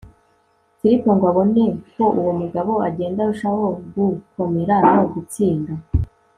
filipo ngo abone ko uwo mugabo agenda arushaho gukomera no gutsinda